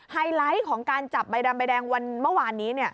ไฮไลท์ของการจับใบดำใบแดงวันเมื่อวานนี้